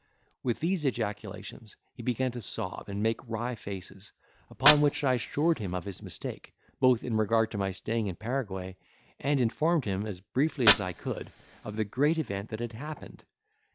With these ejaculations, he began to sob and make wry faces; upon which I assured him of his mistake, both in regard to my staying in Paraguay, and informed him, as briefly as I could, of the great event that had happened.